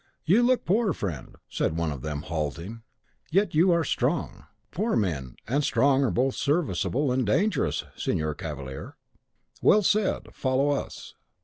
"'You look poor, friend,' said one of them, halting; 'yet you are strong.' "'Poor men and strong are both serviceable and dangerous, Signor Cavalier.' "'Well said; follow us.